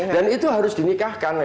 dan itu harus dinikahkan